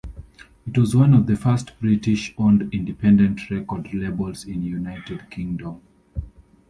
It was one of the first British-owned independent record labels in the United Kingdom.